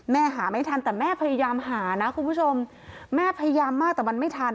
หาไม่ทันแต่แม่พยายามหานะคุณผู้ชมแม่พยายามมากแต่มันไม่ทัน